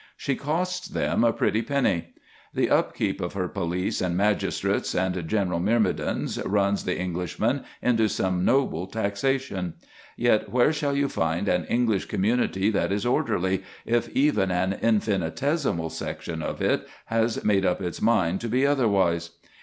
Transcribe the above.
She costs them a pretty penny. The up keep of her police and magistrates and general myrmidons runs the Englishman into some noble taxation; yet where shall you find an English community that is orderly if even an infinitesimal section of it has made up its mind to be otherwise?